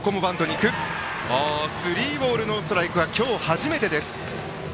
スリーボールノーストライクは今日初めて。